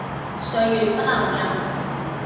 歲月不留人